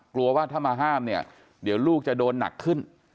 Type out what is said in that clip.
กลัวว่าถ้ามาห้ามเนี่ยเดี๋ยวลูกจะโดนหนักขึ้น